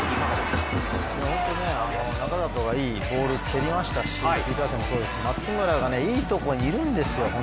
よく中里がいいボールを蹴りましたしピーダーセン世穏もそうですし、いいところにいるんですよ。